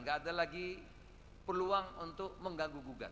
gak ada lagi peluang untuk mengganggu gugat